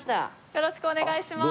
よろしくお願いします。